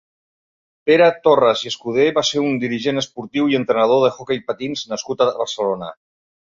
Pere Torras i Escudé va ser un dirigent esportiu i entrenador d'hoquei patins nascut a Barcelona.